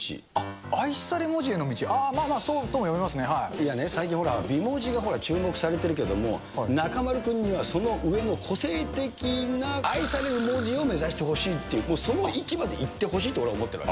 愛され文字への道、あー、いやね、最近、美文字が注目されてるけども、中丸君にはその上の個性的な愛され文字を目指してほしいっていう、その域までいってほしいと、俺は思ってるわけ。